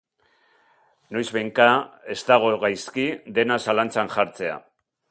Noizbehinka ez dago gaizki dena zalantzan jartzea.